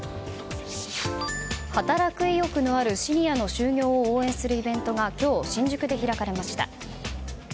働く意欲のあるシニアの就業を応援するイベントが今日、新宿で開かれました。